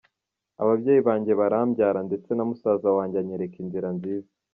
ababyeyi banjye barambyara ndetse na musaza wanjye anyereka inzira nziza.